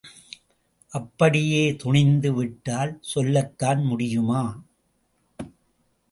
அப்படியயே துணிந்து விட்டால் சொல்லத்தான் முடியுமா?